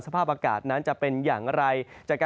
สภาพอากาศนั้นจะเป็นอย่างไร